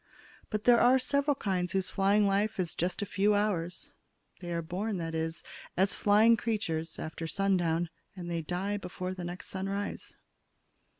But there are several kinds whose flying life is just a few hours; they are born, that is, as flying creatures, after sundown and they die before the next sunrise.